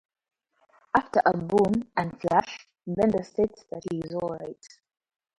After a boom and flash, Bender states that he is "alright".